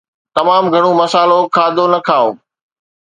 تمام گهڻو مصالحو کاڌو نه کائو